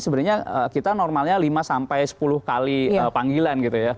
sebenarnya kita normalnya lima sampai sepuluh kali panggilan gitu ya